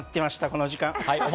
この時間。